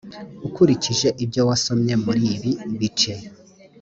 ukurikije ibyo wasomye muri ibi bice